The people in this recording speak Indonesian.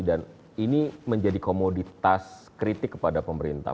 dan ini menjadi komoditas kritik kepada pemerintah